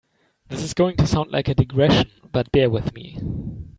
This is going to sound like a digression, but bear with me.